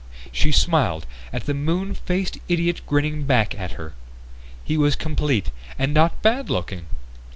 She smiled at the moon faced idiot grinning back at her. He was complete, and not bad looking!